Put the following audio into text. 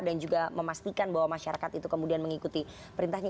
dan juga memastikan bahwa masyarakat itu kemudian mengikuti perintahnya